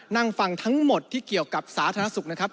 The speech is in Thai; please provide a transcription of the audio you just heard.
นั่งฟังทั้งหมดที่เกี่ยวกับสาธารณสุขนะครับ